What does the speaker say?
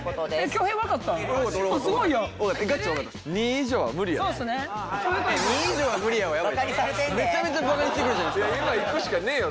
今いくしかねえよ